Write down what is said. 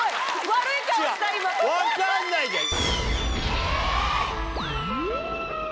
分かんないじゃん！